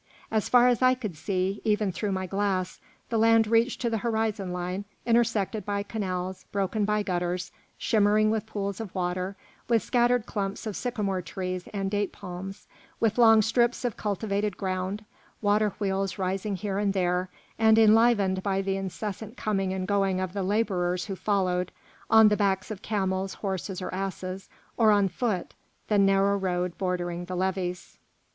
As far as I could see, even through my glass, the land reached to the horizon line, intersected by canals, broken by gutters, shimmering with pools of water, with scattered clumps of sycamore trees and date palms, with long strips of cultivated ground, water wheels rising here and there, and enlivened by the incessant coming and going of the labourers who followed, on the backs of camels, horses, or asses, or on foot, the narrow road bordering the levees.